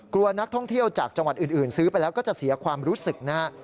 กลัวนักท่องเที่ยวจากจังหวัดอื่นซื้อไปแล้วก็จะเสียความรู้สึกนะฮะ